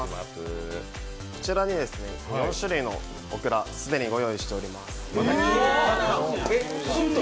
こちらに４種類のオクラ、既に用意しています。